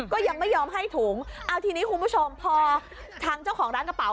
ก็ยังไม่ยอมให้ถุงเอาทีนี้คุณผู้ชมพอทางเจ้าของร้านกระเป๋า